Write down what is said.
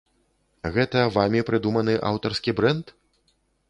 Гэта вамі прыдуманы аўтарскі брэнд?